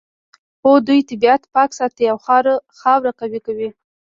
هو دوی طبیعت پاک ساتي او خاوره قوي کوي